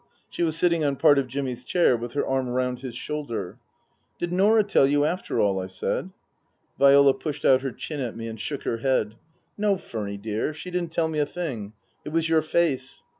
She was sitting on part of Jimmy's chair, with her arm round his shoulder. " Did Norah tell you, after all ?" I said. Viola pushed out her chin at me and shook her head. " No, Furny dear, she didn't tell me a thing. It was your face."